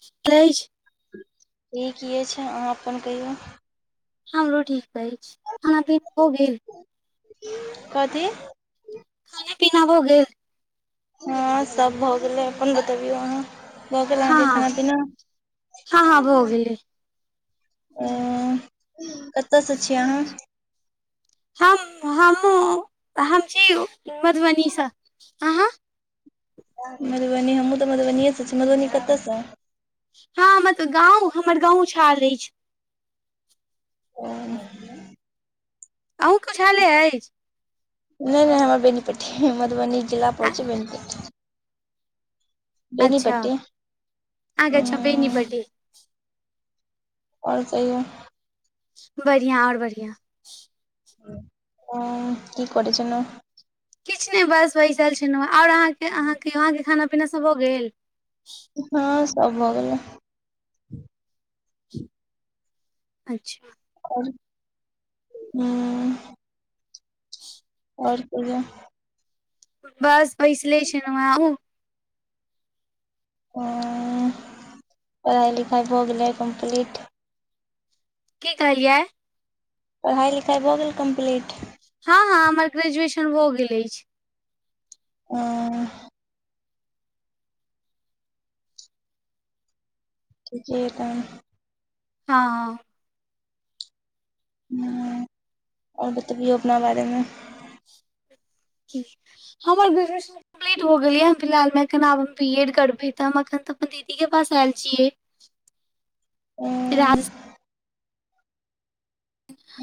[unintelligible] निक अछि अहाँ अपन कहियौ हमरो ठीक अछि खाना पीना भऽ गेल कथि खाना पीना भऽ गेल हँ सभ भऽ गेलै अपन बतबियौ अहाँ भऽ गेल हँ अहाँकेँ हँ खाना पीना हँ हँ भऽ गेलै ओ कतऽसँ छिये अहाँ हम हमहु हम छी मधुबनीसँ अहाँ मधुबनी हमहूँ तऽ मधुबनीेसँ छी मधुबनी कतयसँ हँ हमर तऽ गाँव हमर गाँव छाल अछि [inaudible] अहूँ [unintelligible] अछि नइ नइ हमर बेनिपट्टी मधुबनी जिला पड़ै छै बेनिपट्टी अच्छा बेनीपट्टी आगे छ हूँ बेनीपट्टी आओर कहियो बढ़िआं आओर बढ़िआं ओ की करै छलौ किछ ने बस बैसल छलहुँँ आओर अहाँके अहाँके आहाँके खाना पीना सब भऽ गेल हँ सब भऽ गेलै अच्छा आओर हू [inaudible] आओर कहियो बस बैसले छलौ है अहु ओ पढ़ाइ लिखाइ भऽ गेलै कम्प्लीट? की कहलियै पढ़ाइ लिखाइ भऽ गेल कम्प्लीट हँ हँ हमर ग्रेजुएशन भऽ गेल अछि ओ ठीके अय तहन हँ ह आओर बतबियौ अपना बारे मे की हमर ग्रेजउसन कम्पलीट भ गेल यै फिलहाल मे एखन आब बी एड करबे तऽ हम एखन त अपन दीदी के पास आयल छि [inaudible] राजस हँ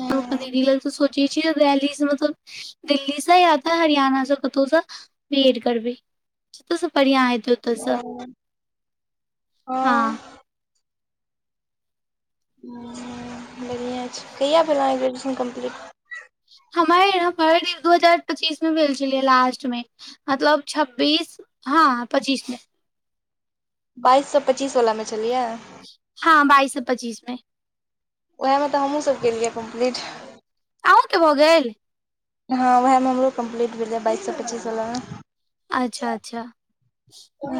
सौचे छियै [unintelligible] दिल्ली सँ या त हरियाणा सँ कतउ स बिएड करबय [unintelligible] बढ़िआ हेते ओ ओ हँ बढ़िआँ छै कहिया भेल आहाँ के ग्रेजुएशन कम्प्लीट हमर हमर दू हजार पच्चीस में भेल छलै या लास्ट मे मतलब छब्बीस हँ पच्चीस मे बाइस सए पच्चीस वला मे छलियै हँ बाइस स पच्चीस में ओएहमे तऽ हमहूँसभ केलियै कम्प्लीट आहुँके भऽ गेल हँ उएहमे हमरो कम्प्लीट भेल रहै बाइस सए पच्चीस वला मे अच्छा अच्छा हूँ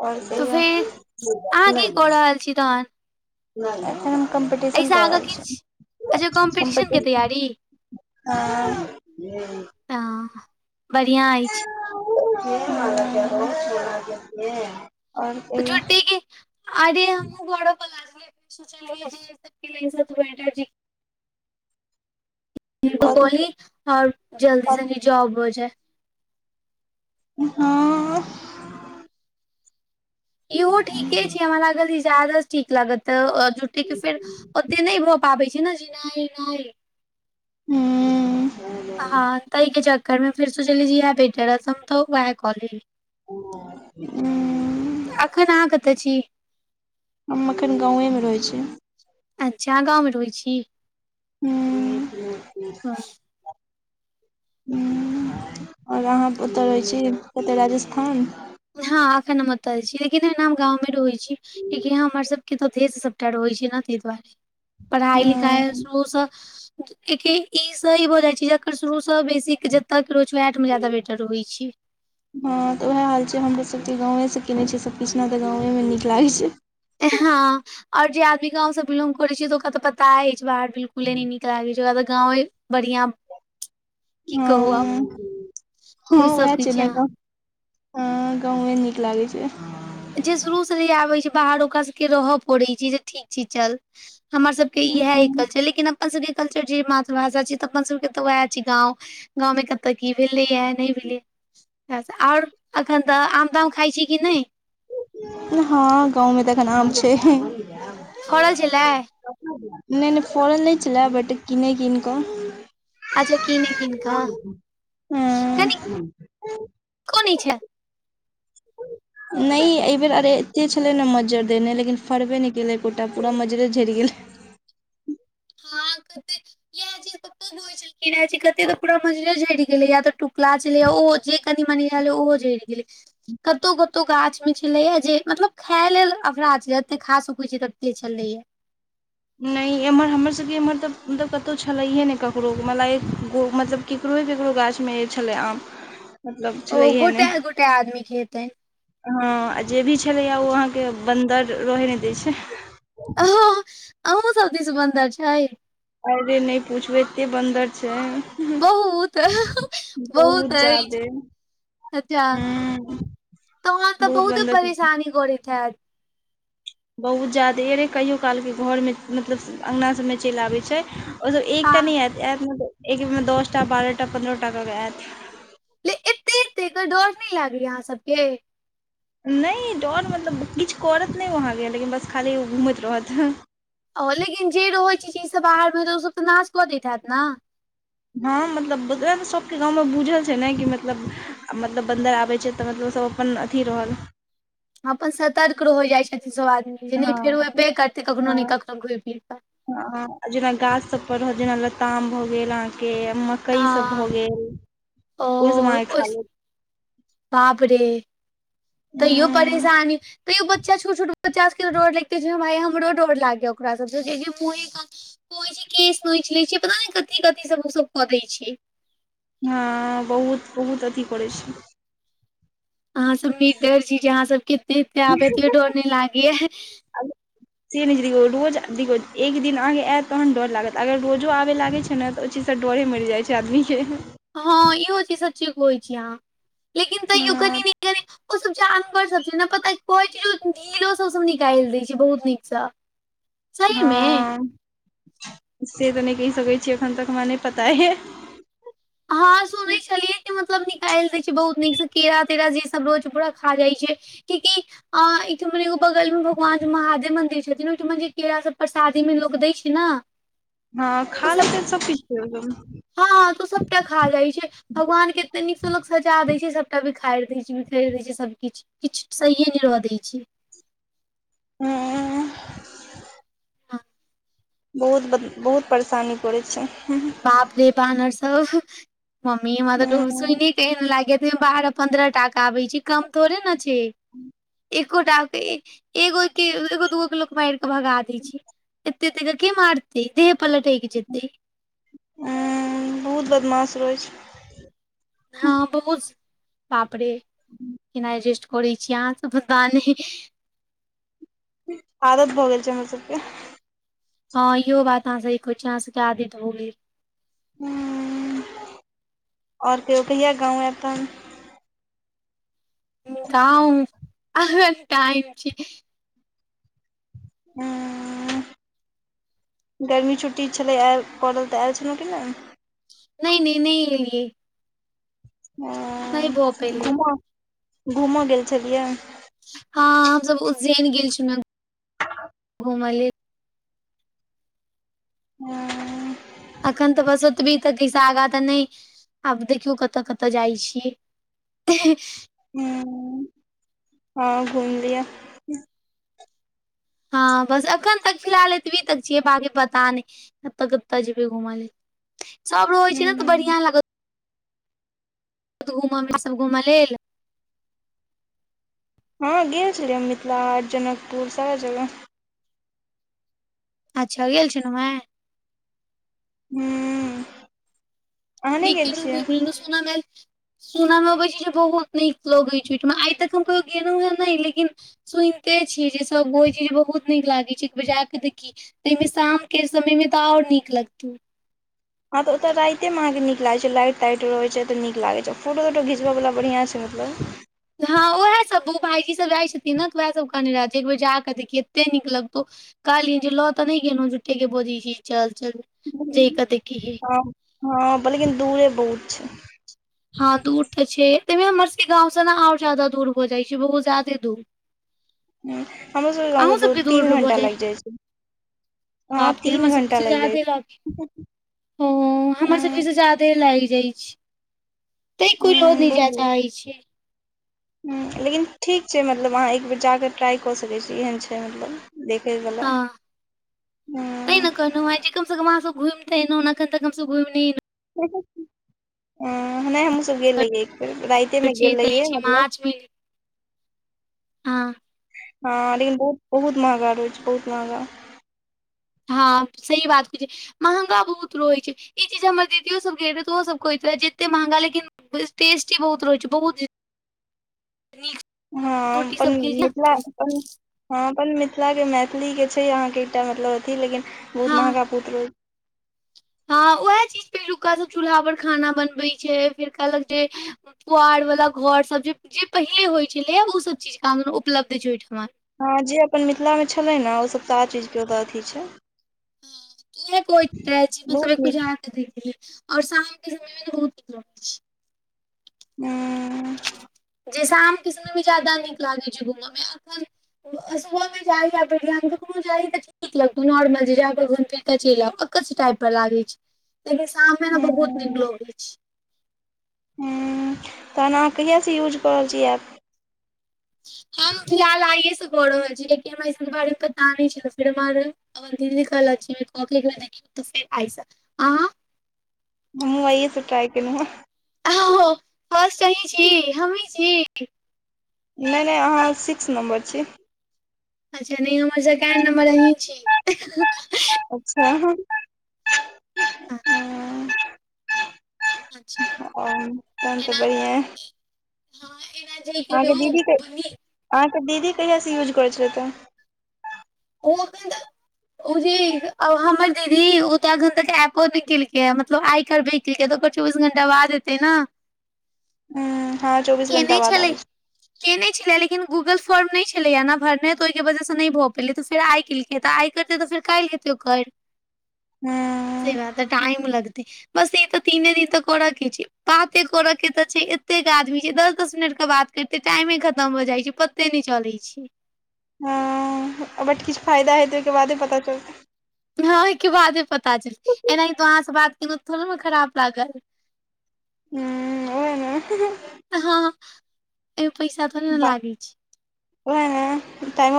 आओर कहियो ऐल छी तहन एखन कम्पटीशन एहिसँ क आगाँ रहल किछ अच्छा छी कॉम्पिटिशन के कम्पटीशन तैयारी हँ तऽ बढ़िआँ अछि झूठे [unintelligible] के अरे हम [unintelligible] [unintelligible] और जल्दी कथी से जॉब हो जाए हँ ईहो ठीके छै हमरा लागल [unintelligible] ठीक लागत त जुटे के फेर ओते नहि भऽ पाबै छै ने जे नहि नहि हू हँ ताहि के चक्करमें फिर सोचलियी इह बेटर रहसम तऽ वएहै कॉलेज ह एखन अहाँ कतऽ छी हम एखन गावेमे रहैत छी अच्छा गाँवमे रहैत छी हू ह आओर अहाँ ओत रहैत छी कतय राजस्थान मे हँ अखन हम अत छी लेकिन एना हम गाँवमे रहै छी कि हमर सबके तऽ [unintelligible] रहै छै ने ताहि दुआरे पढ़ाइ हँ लिखाइ शुरूसँ एकिन ई सही भऽ जाई छै जेकर शुरूसँ बेसी जतक रहैत छ वटमे जादा बेटर होइ छै हँ तऽ उएह हाल छै हमरो सबके गांवे से केने छियै सब किछना तऽ गांे मे नीक लागे छै हँ आओर जे आदमी गाँं से बिलोंग करैत छै तऽ ओकरा तऽ पता अछि छै बाहर बिलकुले नहि नीक लागैत छै ओकरा त गाँवे बढ़िियां हँ हँ बुझि वएह सकै छै छी ने अहाँ अहिठम हँ गांउवै नीक लागै छै जे शुरू से ही आबै छै बाहर ओकरा सबके रहय पड़ैत छै जे ठीक छै चल हमर सब इएह ह कल्चर लेकिन अपन सबके कल्चर छै मातृभाषा छी तऽ अपन सबके के तऽ उएह छी गाँव गाँव में कतऽ क भेलै या नहि भेलै आओर एखन तऽ आम ताम खाइ छी कि नहि हँ गाँवमे त नाम छै फड़ल छलै नहि नहि फोरन नहि छलै बट किनै कन कऽ अच्छा किने कन् क कनि हँ कोन इ छै न एहि बेर अरे एते छले ने मज्जर देने लेकिन फरबे नहि के एकोटा पूरा मजरे झरिि गेले हँ कते इह छलखिन कते त पूरा मजिला झरि गेलै या त क्लास लै ओहो जे कनि मनी रहलै ओहो जरि गेलै कतौ कतो गाछ में छले या जे मतलब खााय लेल अपफराध जते खा सकैत छै तते छले या नहि एम्हर हमरसभके एम्हर तऽ मतलब कतहु छलैये नहि ककरो मलय मतलब केकरो केकरो गाछमे ई छलै आम मतलब ओ छलैहे ने गोटे गोटे आदमीके हेतनि हँ आ जे भी छलैए ओ अहाँके बन्दर रहै नहि दै छै आहो अ सब दिश बन्दर छै अरे नहि पूछबै एते बन्दर छै बहुत बहुत बहुत अछि जादे हूँ अच्छा तऽ वहाँ तऽ बहुत बन्दर छै। परेशानी करैत हैत बहुत जा्यदे रहै कहिओ कालके घरमे मतलब अङ्गना सभमे चलि आबै छै ओ एकटा हँ न आयत आयत मतब एक दसटा बारह टा पन्द्रह टाक कऽ आयत ल एते क एते डर नहि लागलै अहाँ सबके नहि डर मतलब किछु करत नहि आहाँके लेकिन बस खाली ओ घूमैत रहत ह ओ लेकिन जे रहैत छैज सब बाहर मे तऽ ओ सब तऽ नाश कऽ दैत हैत न हँ मतलब सबके गाँवमे बुझल छै न कि मतलब मतलब बन्दर आबै छै तऽ मतलब सब अपन अथी रहल अपन सतर्क रहोइ जाइ छथिन सभ आदमी जे नहि फेरो हँ अयबे करतै कखहु नहि हँ को घुमि फिर कऽ जेना गाछ सब पर रहत जेना लताम भऽ गेल अहाँके कई सब भऽ हँ गेल ओस ओ खालेत बाप रे तैयो उंम्म परेशानी तैयो बच्चा छोट छोट बच्चा डोर लगते छै भाय हमरो डर लागया ओकरा सब छै केश नौच लै छै पता नै कथी कथी सब ओ स ब कऽ दै छियै हँ बहुत बहुत अथी करै छै अहाँ सब नीक डर छी अहाँ सब केत एते आब एत डर नहि लागेया से नहि छै देखियौ रोज देखियौ एक दिन आहाके आयत तहन डर लागत अगर रोजो आबय लागै छै ने तऽ ओ चीज त डरे मरि जाइत छै आदमीके हँ इो चीज सचेत कहैछी अहाँ लेकिन तैयो हँ कनि ने कनि ओ सब जानवर सब छै न पता कह छै ओ सब ढिलो सब सब निकालि दय छै बहुत नीक सब [unintelligible] [inaudible] हँ से तऽ नहि कहि सकैत छीय एखन तक हमरा नहि पता अई हँ सुनै छलियै जे मतलब निकाएल जाइ छै बहुत नीक स केरा तेरा जे सब रोज पूरा खा जाइ छै कठीक [unintelligible] अ एकठम एगो बगल मे भगवान जे महादेव मन्दिर छथिन ओहिठाम जे केरा सब परसादी मे लोग दय छै न हँ खा ले त सब किछ छै एकदम [unintelligible] हँ त सबटा खा जाइ छै भगवान के एते नीक स लोक सब सजा देै छै सबटा बिखारि दै छै बिखरि दै छै सब किछु किछु सहिए नहि रहऽ दैत छै ह [unintelligible] हँ बहुत बहुत परेशानी पड़ै छै बाप रे बानर सब मम्मी म तऽ हूँ डर सुइ न न लाग बारह पन्द्रह टाका आबै छै कम थोड़े न छै एक गोटाक के एगो के एगो दूगो के लोक माएर के भगा दै छै एत एते के के मारतै देह पलटेग जतै उ बहुत बदमाश रहै छै हँ बहुस बापरे एज करै छी अहाँ सब बता नहि आदत भऽ गेल छै हमरा सबके हँ इहो बात अहाँ सही कहै छी अहाँ सबके आदैत भगोलयै ह आओर केहिओ कहिया गाँव ह तऽ गाव अ टाइम छै ह गर्मी छुट्टी छलै आयल पड़ल तऽ आयल छलहुँ कि नहि नहि नहि नहिलियए भऽ ह पेलै घूमो घूमऽ गेल छलियै हँ हमस उज्जैन गेल छलुह घूम लेल ह। अखन तऽ बस ओतबी तऽ कैसा आगाँ तऽ नहि आब देखियौ कतऽ जाइ छीयै। ह। हँ घूम लिया। हँ, बस एखन तक फिलहाल एतबी तक छिये पता नहि। कत कत जेबे घूम लऽ सभ रहे छै ने तऽ हूँ बढ़िया लागत। घूम सभ घूम लेल हँ, गेल छलियै मिथिलाहाट जनकपुर सारा जगह अच्छा, गेलल छलु है। हू। निक केनु सुना म सुनय मे अबैत छै, जे बहुत निक लगैत छै, ओहिठाम आइ तक हम कहि गेलहुँ हेँ नहि लेकिन। सुनिते छियै, जे सभ बड़ छै जे बहुत निक लागैत छै बजाक देखी। ताहिमे शामके समय मे तऽ आओर निक लगतौ हँ तऽ ओतय रातिमे अहाँकेँ निक लागै छै, लाइट ताइट रहैत छै, तऽ निक लागै छै, फोटो तोटो घुच्बेवला बढ़आँ छै मतलब हँ उएहसभ भाईजी सभ जाइत छथिन ने तऽ ओएहसभ कहने रहथि एक बेर जाकऽ देखियी एते निक लगतौ। कालिय जे लो तऽ नहि गनो जुटे के बोजी है चल चल जे कत कि ह। हँ, लेकिन दूरे बहुत छै। हँ, दूर तऽ छै, तहिमे हमर सभके गाव से ने आओर जादा दूर भऽ जाइ छै, बहुत ज्यादे दूर। ह हमर सभके गाम अहूँ सँ दू तीन घण्टा लागि जाइ छै। हँ बापे तीन हमर घंटा सभसँ लागि जाइ जाते लऽ छै ओ हमर सभ ताई लागि जाइ छै, तै कोइ लो उंम्म नहि जाय चाहे छी। ह, लेकिन ठीक छै, मतलब अहाँ एकबेर ज कऽ ट्राइ कऽ सकैत छी एहन छै। मतलब देखै। वला हँ, कहि ने हूँ कहलु। कम सँ कम हम घुम तै अना इना अखन तक हम सभ घुम हमू सभ गेलहि एक बेर नइ। [unintelligible] छै मार्च मने हँ हँ, मुदा बहुत-बहुत महँगा रहै छै, बहुत महँगा। हँ, सही बात केहे। महँगा बहुत रहैत छै, ई चीज हमर दीदियो सभ ग रहे तऽ ओहो सभ कहैत रहे जते महँगा लेकिन टेस्टी बहुत रहैत छै, बहुत न हँ, अपन मिथिल अपन। हँ, अपन मिथिलाके मैथिलीके छै, अहाँकेँ एकटा मतलब अथि लेकिन बहुत हँ महँगा पुत्र। हँ, उएह चीज पे लुका सभ चूल्हा पर खाना बनबै छै। फेर कहलक जे पुआर वाला घर सभ जे जे पहिले होइ छलै ह ओ सभ चीज काम उपलब्ध छै ओहिठमा। हँ, जे अपन मिथिलामे छलै ने ओ सभ तऽ आ चीजके ओतय अथि छै। इहे को तऽ जीव सभ बहुत एको नीक देखै और शामके समय मे तऽ बहुत निक लग छै। हू। जैसाम किस भी जादा निक लागै छै, घूममे अखन सुभहमे जाइए पलक कोनो जाइ तऽ ठीक लगतौ नॉर्मल जे जा। कल पकच टाइप पर लागे। [inaudible] कि शाममे ने बहुत निक लोग छै। ह, तहन अहाँ कहियासँ यूज कऽ रहल छी एऐप हम फिलहाल आइे से कऽ रहल छी लेकिन हमरा [unintelligible] सके बारे मे पता नहि छल फेर हमर अ दीदी कहलऽ ज कह [unintelligible] देखी तऽ फेर आइ हं आइये सॅं ट्राइ केलौहे हँँ हॅं और सही छी हमी छी नहि नहि अहाँ सिक्स नम्बर छी अच्छा नहि हमर सेकेण्ड नम्बर अहीं छी अच्छा हँ और तहन तऽ एना बढ़िआ हँ एना जे अहाँके कहियौ दीदी बनी अहाँके दीदी कहियासँ यूज करै छलैथा ओ ओ जी हमर दीदी ओ तऽ एखन तक एपो नै केलकै ह मतलब आइ करबे ठीक है तो ओकर चौबीस घंटा बाद एतै न हँ आजो केनेे छलै केने छले लेकिन गूगल फॉर्म नहि छलै न भरने तऽ ओहिके वजह से नहि भऽ पेलै तऽ फेर आइ केल तऽ आइ करतैऽ फेर कायल हेतै ओकर [inaudible] से हँ बात तऽ टाइम लगतै बस ई तऽ तीनेे दिन तऽ कर के छै बाते कर के तऽ छै एतेक आदमी दस दस मिनट के बात करते टाइमे खतम भ जाइ छै पते नहि चलै छै आ बट किछ फायदा हेतय ताहिके बादे पता चलतै ह ओहिके बादे पता चल एनाहि तो अहाँ से बात केलहु थोड़े मे खराब लागल हूं ओ हे हँ ए में पैसा थोरे ने वाह लागि छै ओहे टाइम